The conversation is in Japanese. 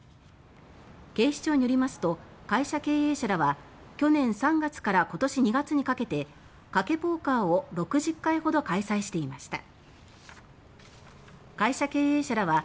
警視庁によりますと会社経営者らは去年３月から今年２月にかけて賭けポーカーを６０回ほど開催していました。